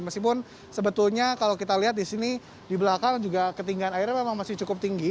meskipun sebetulnya kalau kita lihat di sini di belakang juga ketinggian airnya memang masih cukup tinggi